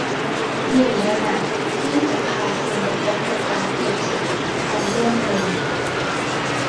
หนี่งในหนังที่จะพาคุณไปพบกับการฝึกสุดหินอันเลื่องลือ